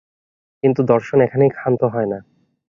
কিন্তু দর্শন এখানেই ক্ষান্ত হয় না।